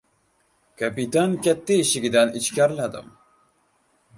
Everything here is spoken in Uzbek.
Kapitan katta eshigidan ichkariladim.